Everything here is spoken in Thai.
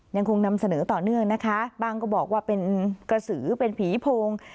ยังคงนำเสนอต่อเนื่องนะคะบ้างก็บอกว่าเป็นกระสือเป็นผีโพง